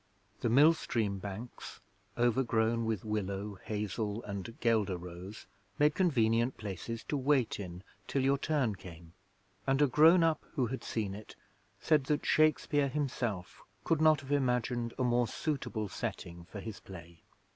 The millstream banks, overgrown with willow, hazel, and guelder rose, made convenient places to wait in till your turn came; and a grown up who had seen it said that Shakespeare himself could not have imagined a more suitable setting for his play.